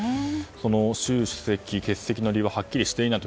習主席欠席の理由ははっきりしていないと。